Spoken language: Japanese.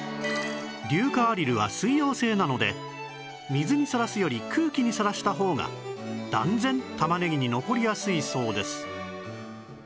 硫化アリルは水溶性なので水にさらすより空気にさらした方が断然玉ねぎに残りやすいそうです